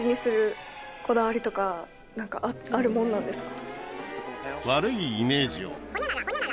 とかあるものなんですか？